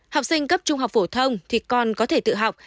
học sinh cấp trung học phổ thông thì con có thể tự học